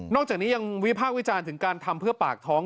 จากนี้ยังวิพากษ์วิจารณ์ถึงการทำเพื่อปากท้อง